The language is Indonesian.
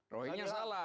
rocky nya salah